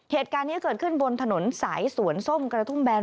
เหตุการณ์นี้เกิดขึ้นบนถนนสายสวนส้มกระทุ่มแบน